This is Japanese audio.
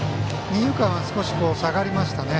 二遊間は少し下がりましたね。